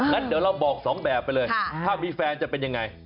งั้นเดี๋ยวเราบอกสองแบบไปเลยถ้ามีแฟนจะเป็นยังไง